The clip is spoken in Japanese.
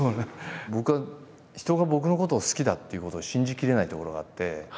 僕は人が僕のことを好きだっていうことを信じきれないところがあって。